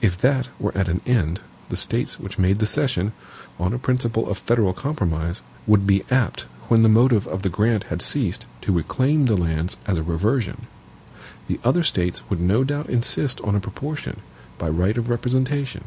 If that were at an end, the States which made the cession, on a principle of federal compromise, would be apt when the motive of the grant had ceased, to reclaim the lands as a reversion. The other States would no doubt insist on a proportion, by right of representation.